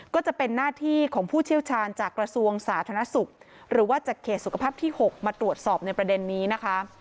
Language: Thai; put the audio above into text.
ก็จะเป็นหน้าที่ของผู้เชี่ยวชาญจากกระทรวงสาธารณสุขหรือว่าจากเขตสุขภาพที่๖มาตรวจสอบในประเด็นนี้นะคะ